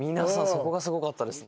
そこがすごかったです。